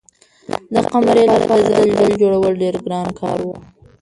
د قمرۍ لپاره د ځالۍ جوړول ډېر ګران کار و.